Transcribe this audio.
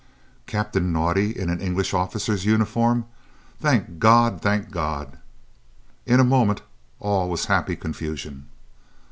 Captain Naudé in an English officer's uniform! Thank God, thank God! In a moment all was happy confusion.